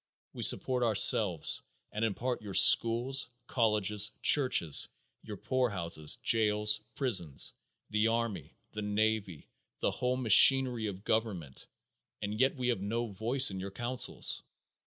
We support ourselves, and, in part, your schools, colleges, churches, your poor houses, jails, prisons, the army, the navy, the whole machinery of government, and yet we have no voice in your councils.